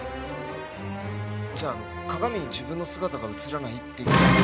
じゃあ鏡に自分の姿が映らないっていうのは。